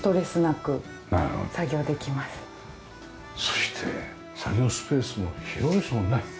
そして作業スペースも広いですもんね。